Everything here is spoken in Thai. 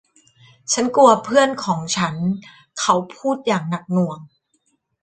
ฉันกลัวเพื่อนของฉันเขาพูดอย่างหนักหน่วง